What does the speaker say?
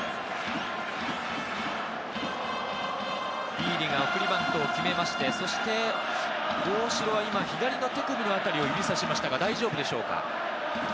ビーディが送りバントを決めまして、そして大城は左の手首のあたりを指差しましたが大丈夫でしょうか。